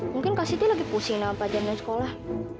mungkin kak siti lagi pusing dengan pajamnya sekolah